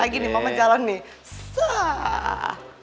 lagi nih mama jalan nih